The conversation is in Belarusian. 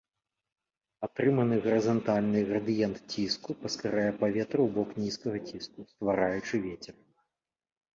Атрыманы гарызантальны градыент ціску паскарае паветра ў бок нізкага ціску, ствараючы вецер.